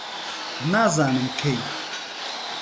نازانم کەی